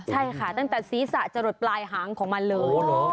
ใช่ค่ะตั้งแต่ศีรษะจะหลดปลายหางของมันเลย